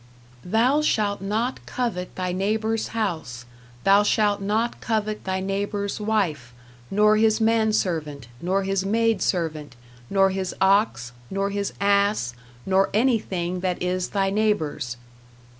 "Thou shalt not covet thy neighbor's house, thou shalt not covet thy neighbor's wife, nor his manservant, nor his maidservant, nor his ox, nor his ass, nor anything that is thy neighbor's."